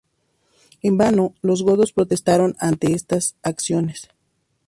En vano, los godos protestaron ante estas acciones.